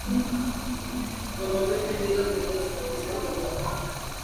ngono zembe ndizo zinazosababisha ugonjwa huu